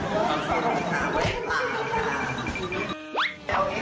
โจ๊กเลย